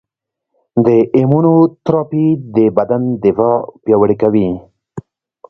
د ایمونوتراپي د بدن دفاع پیاوړې کوي.